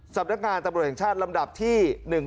สำนักงานตำรวจแห่งชาติลำดับที่๑๖